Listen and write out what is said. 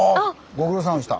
ご苦労さまでした。